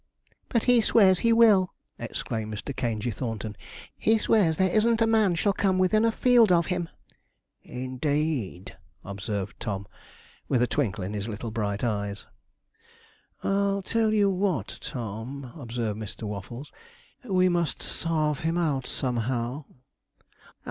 'But he swears he will!' exclaimed Mr. Caingey Thornton. 'He swears there isn't a man shall come within a field of him.' 'Indeed,' observed Tom, with a twinkle of his little bright eyes. 'I tell you what, Tom,' observed Mr. Waffles, 'we must sarve him out, somehow.'